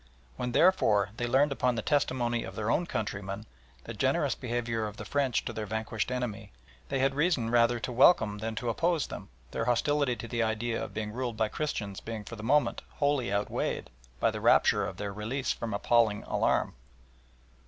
When, therefore, they learned upon the testimony of their own countrymen the generous behaviour of the French to their vanquished enemy, they had reason rather to welcome than to oppose them, their hostility to the idea of being ruled by Christians being for the moment wholly outweighed by the rapture of their release from appalling alarm.